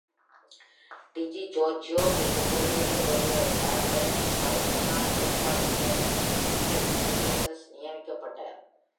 DiGiorgio பின்பு குழுவில் இருந்து வெளியேறியதால், அவருக்கு பதில் முன்னாள் ஏற்பாட்டு பாஸிஸ்ட் டெரிக் ராமிரெஸ் நியமிக்கப்பட்டார்.